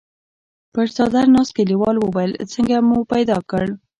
پر څادر ناست کليوال وويل: څنګه مو پيدا کړ؟